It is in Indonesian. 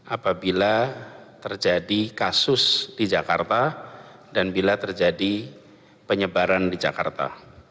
apabila terjadi kasus di jakarta dan bila terjadi penyebaran di jakarta